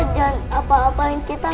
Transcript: jangan apa apain kita